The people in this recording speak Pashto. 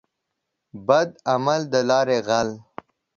بد عمل دلاري غل.